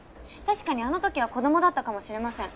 確かにあのときは子どもだったかもしれません。